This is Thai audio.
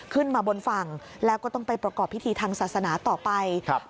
ขึ้นมาบนฝั่งแล้วก็ต้องไปประกอบพิธีทางศาสนาต่อไปครับ